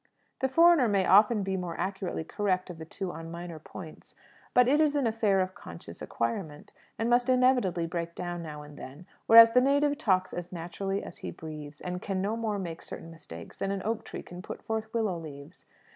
The foreigner may often be more accurately correct of the two on minor points, but it is an affair of conscious acquirement, and must inevitably break down now and then; whereas the native talks as naturally as he breathes, and can no more make certain mistakes than an oak tree can put forth willow leaves.